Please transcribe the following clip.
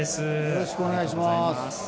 よろしくお願いします。